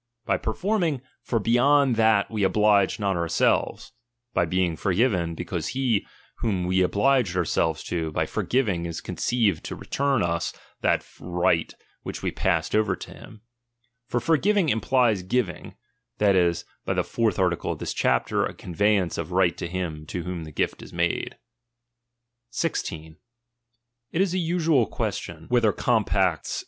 By performing, for beyond that we obliged not our selves. By being forgiven, because he whom we ob^ged ourselves to, by forgiving is conceived to return us that right which we passed over to him. For forgiving implies giving, that is, by the fourth article of this chapter, a conveyance of right to him to whom the gift is made. 16. It is a usual question, whether compacts i 24 LIBERTY.